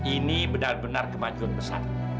ini benar benar kemajuan besar